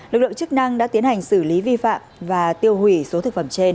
lực lượng chức năng đã tiến hành xử lý vi phạm và tiêu hủy số thực phẩm trên